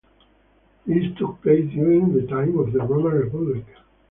This took place during the time of the Roman Republic.